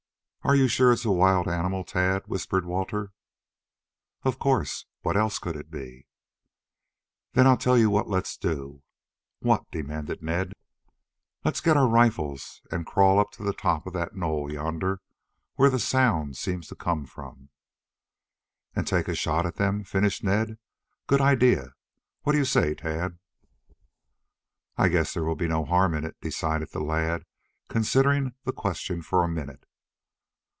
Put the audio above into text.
"Are you sure it's a wild animal, Tad?" whispered Walter. "Of course. What else could it be?" "Then I'll tell you what let's do." "What?" demanded Ned. "Let's get our rifles and crawl up to the top of that knoll yonder, where the sound seems to come from " "And take a shot at them," finished Ned. "Good idea. What do you say, Tad?" "I guess there will be no harm in it," decided the lad, considering the question for a minute.